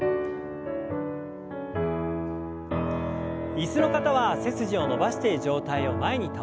椅子の方は背筋を伸ばして上体を前に倒します。